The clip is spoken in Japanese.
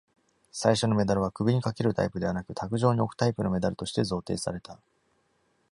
最初のメダルは首にかけるタイプではなく、卓上に置くタイプのメダルとして贈呈された。